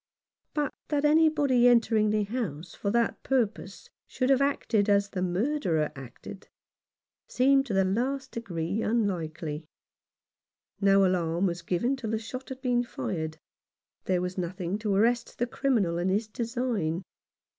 But that anybody entering the house for that purpose should have acted as the murderer acted, seems to the last degree unlikely. No alarm, was given till the shot had been fired ; there was nothing to arrest the criminal in his design.